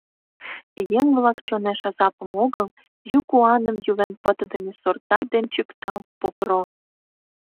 Еҥ-влак чонеш азапым огыл — ю куаным Йӱлен пытыдыме сортат ден чӱктал, Покро!